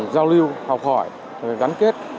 giao lưu học hỏi gắn kết